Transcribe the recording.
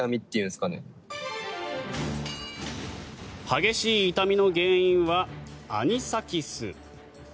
激しい痛みの原因はアニサキス。